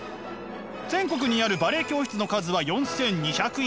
全国にあるバレエ教室の数は４，２００以上。